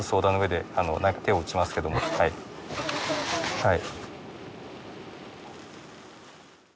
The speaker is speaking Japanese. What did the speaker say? はい。